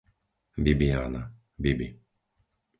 Bibiána, Bibi